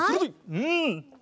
うん。